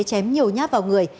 chém nhiều nháp vào người